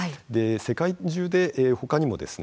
世界中でほかにもですね